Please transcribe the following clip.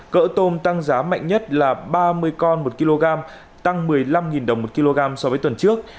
cỡ tôm tăng giá mạnh nhất là ba mươi con một kg tăng một mươi năm đồng một kg so với tuần trước